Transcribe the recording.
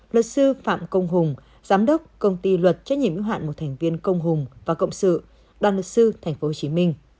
luật sư phạm công hùng giám đốc công ty luật trách nhiệm ứng hoạn một thành viên công hùng và cộng sự đoàn luật sư tp hcm